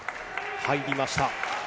入りました。